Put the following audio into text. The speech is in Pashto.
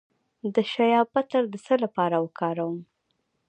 د شیا بټر د څه لپاره وکاروم؟